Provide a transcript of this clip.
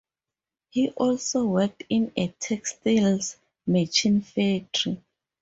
He also worked in a textiles machine factory.